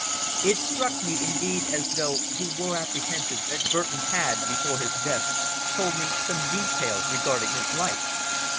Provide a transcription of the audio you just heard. It struck me indeed as though he were apprehensive that Burton had before his death told me some details regarding his life.